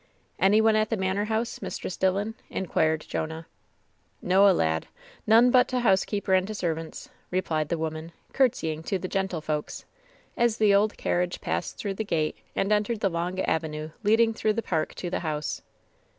"Any one at the manor house. Mistress Dillon ?" in quired Jonah. "Noa, lad ; none but t' housekeeper and t' servants,'' replied the woman, courtesying to "the gentlefolks" as the old carriage passed through the gate and entered the long avenue leading through the park to the house.